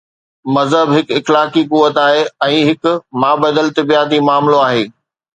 مذهب هڪ اخلاقي قوت آهي ۽ هڪ مابعد الطبعياتي معاملو آهي.